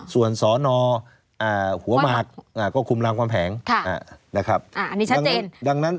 ส่วนสอนอหัวหมักก็คุมรางความแผงนะครับอันนี้ชัดเจน